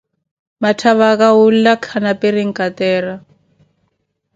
Matthavaka wuula khana pirinkatera